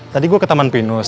tadi gue ke taman pinus